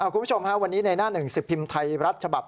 คุณผู้ชมฮะวันนี้ในหน้าหนึ่งสิบพิมพ์ไทยรัฐฉบับ